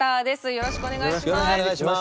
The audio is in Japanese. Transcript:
よろしくお願いします。